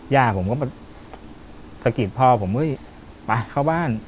ย่าผมก็สะกิดพ่อผมเฮ้ยไปเข้าบ้าน